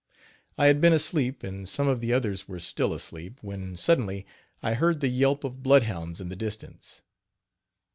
I had been asleep and some of the others were still asleep, when suddenly I heard the yelp of blood hounds in the distance.